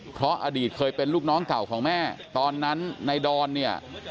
เพราะอดีตเคยเป็นลูกน้องเก่าของแม่ตอนนั้นในดอนเนี่ย